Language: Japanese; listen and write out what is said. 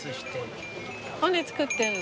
ほんで作ってんの？